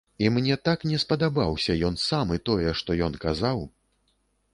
І мне так не спадабаўся ён сам і тое, што ён казаў.